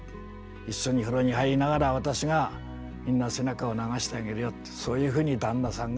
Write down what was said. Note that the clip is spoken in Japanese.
一緒に風呂に入りながら私が君の背中を流してあげるよ」ってそういうふうに旦那さんが言った。